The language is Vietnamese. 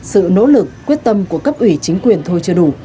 sự nỗ lực quyết tâm của cấp ủy chính quyền thôi chưa đủ